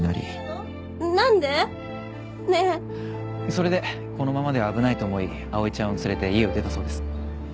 それでこのままでは危ないと思い碧唯ちゃんを連れて家を出たそうです。